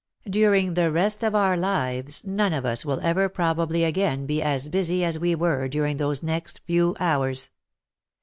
During the rest of our lives none of us will ever probably again be as busy " as we were during those next few hours.